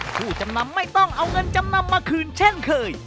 ผู้จำนำไม่ต้องเอาเงินจำนำมาคืนเช่นเคย